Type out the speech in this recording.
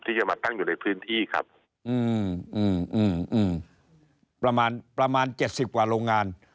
ที่จะมาตั้งอยู่ในพื้นที่ครับอืมอืมประมาณประมาณเจ็ดสิบกว่าโรงงาน